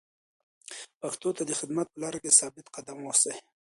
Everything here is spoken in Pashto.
پښتو ته د خدمت په لاره کې ثابت قدم اوسئ.